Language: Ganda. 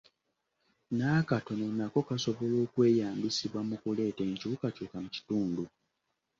N'akatono nako kasobola okweyambisibwa mu kuleeta enkyukakyuka mu kitundu.